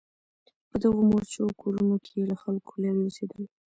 په دغو مورچو او کورونو کې یې له خلکو لرې اوسېدل.